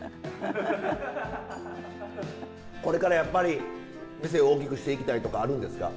これからやっぱり店大きくしていきたいとかあるんですか？